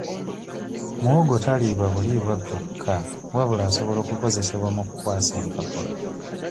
Muwogo taliibwa bulibwa kyokka wabula asobola okukozesebwa mu kukwasa empapula.